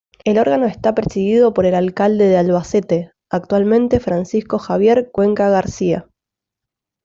El órgano está presidido por el alcalde de Albacete, actualmente Francisco Javier Cuenca García.